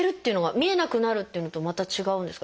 「見えなくなる」っていうのとまた違うんですか？